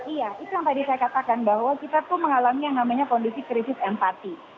iya itu yang tadi saya katakan bahwa kita mengalami kondisi krisis empati